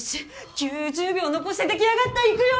９０秒を残して出来上がった行くよー！